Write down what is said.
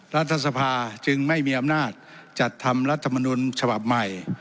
รัฐสภาจึงไม่มีอำนาจจัดทำรัฐมนุนฉบับใหม่